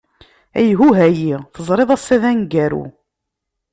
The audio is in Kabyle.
Ayhuh a yyi! Teẓrid ass-a d aneggaru.